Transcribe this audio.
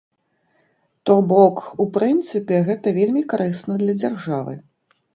То бок, у прынцыпе, гэта вельмі карысна для дзяржавы.